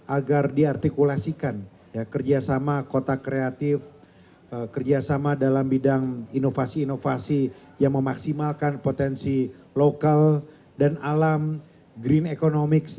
agar diartikulasikan kerjasama kota kreatif kerjasama dalam bidang inovasi inovasi yang memaksimalkan potensi lokal dan alam green economics